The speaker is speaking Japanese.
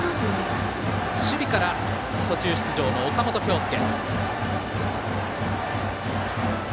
守備から途中出場の岡本京介。